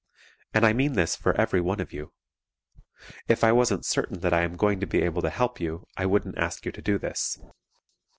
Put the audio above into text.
And I mean this for every one of you. If I wasn't certain that I am going to be able to help you I wouldn't ask you to do this.